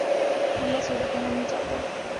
ہم بد صورت کہنا نہیں چاہتے